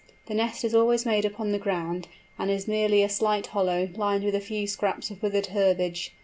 The nest is always made upon the ground, and is merely a slight hollow, lined with a few scraps of withered herbage.